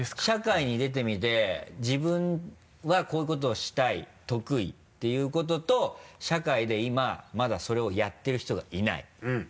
社会に出てみて自分はこういうことをしたい得意っていうことと社会で今まだそれをやってる人がいない。